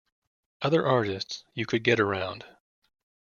Other artists, you could get around.